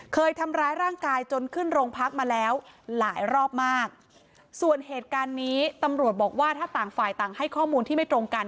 เคยทำร้ายร่างกายจนขึ้นโรงพักมาแล้วหลายรอบมากส่วนเหตุการณ์นี้ตำรวจบอกว่าถ้าต่างฝ่ายต่างให้ข้อมูลที่ไม่ตรงกัน